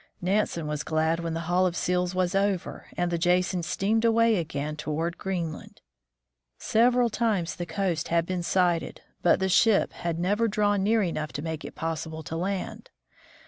Nansen was glad when the haul of seals was over and the Jason steamed away again toward Greenland. Several times the coast had been sighted, but the ship had never 110 THE FROZEN NORTH drawn near enough to make it possible to land.